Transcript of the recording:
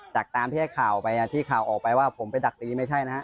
ตามที่ให้ข่าวไปที่ข่าวออกไปว่าผมไปดักตีไม่ใช่นะฮะ